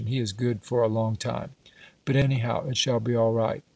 He is good for a long time. But anyhow it shall be all right."